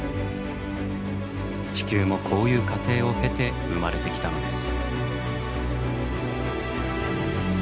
地球もこういう過程を経て生まれてきたのです。